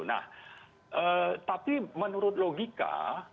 nah tapi menurut logika